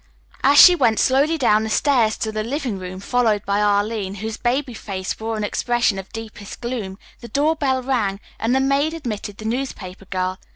As she went slowly down the stairs to the living room, followed by Arline, whose baby face wore an expression of deepest gloom, the door bell rang and the maid admitted the newspaper girl.